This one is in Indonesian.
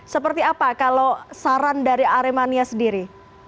seperti apa kalau saran dari aremania sendiri